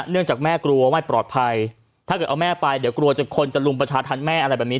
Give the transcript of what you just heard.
จากแม่กลัวไม่ปลอดภัยถ้าเกิดเอาแม่ไปเดี๋ยวกลัวคนจะลุมประชาธรรมแม่อะไรแบบนี้